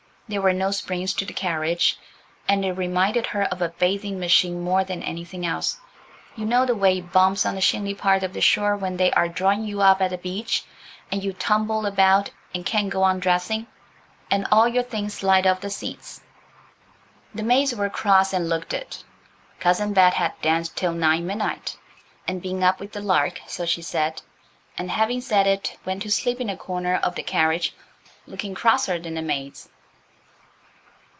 There were no springs to the carriage, and it reminded her of a bathing machine more than anything else–you know the way it bumps on the shingly part of the shore when they are drawing you up at the beach, and you tumble about and can't go on dressing, and all your things slide off the seats. The maids were cross and looked it. Cousin Bet had danced till nigh midnight, and been up with the lark, so she said. And, having said it, went to sleep in a corner of the carriage looking crosser than the maids.